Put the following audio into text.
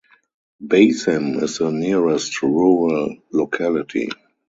Basim is the nearest rural locality.